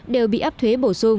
đều sẽ bị áp thuế